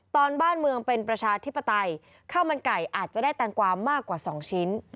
ตอนบ้านเมืองเป็นประชาธิปไตยข้าวมันไก่อาจจะได้แตงกวามากกว่า๒ชิ้น